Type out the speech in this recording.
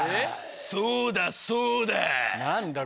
そうだそうだ。何だ？